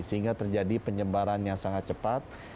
sehingga terjadi penyebaran yang sangat cepat